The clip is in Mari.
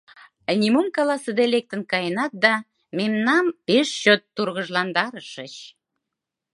— Нимом каласыде лектын каенат да мемнам пеш чот тургыжландарышыч!